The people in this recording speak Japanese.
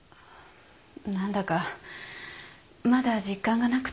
何だかまだ実感がなくて。